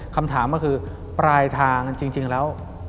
คำถามก็คือปลายทางจริงแล้ว